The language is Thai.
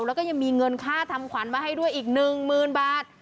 แล้วก็ยังมีเงินค่าทำขวัญมาให้ด้วยอีก๑๐๐๐บาท